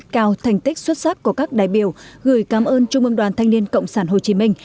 cao thành tích xuất sắc của các đại biểu gửi cám ơn trung ương đoàn thanh niên cộng sản hồ chí minh